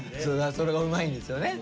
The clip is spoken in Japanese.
それがうまいんですよね。